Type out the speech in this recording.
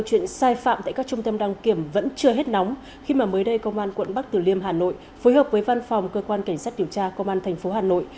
câu chuyện sai phạm tại các trung tâm đăng kiểm vẫn chưa hết nóng khi mà mới đây công an quận bắc tử liêm hà nội phối hợp với văn phòng cơ quan cảnh sát điều tra công an thành phố hà nội